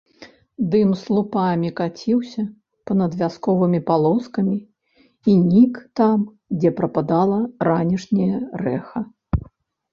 Дым слупамі каціўся па-над вясковымі палоскамі і нік там, дзе прападала ранішняе рэха.